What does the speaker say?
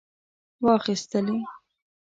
واخیستلې.